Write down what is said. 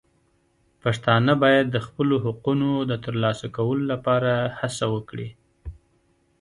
پښتانه باید د خپلو حقونو د ترلاسه کولو لپاره هڅه وکړي.